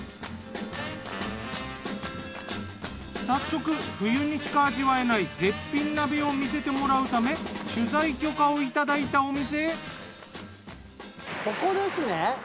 早速冬にしか味わえない絶品鍋を見せてもらうため取材許可をいただいたお店へ。